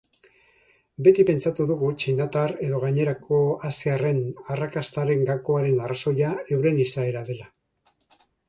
Beti pentsatu dugu txinatar edo gainerako asiarren arrakastaren gakoaren arrazoia euren izaera dela.